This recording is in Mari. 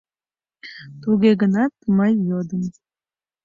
Туге гынат мый йодым: